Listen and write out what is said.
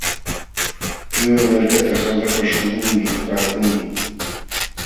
Puywan malkata Jaujapa śhunqunmi nipaakunmi.